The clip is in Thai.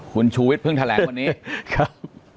คุณชูวิทยเพิ่งแถลงวันนี้ครับ